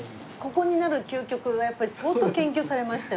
ここになる究極がやっぱり相当研究されましたよね。